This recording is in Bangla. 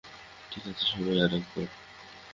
ঠিক আছে, সবাই, আরেকবার!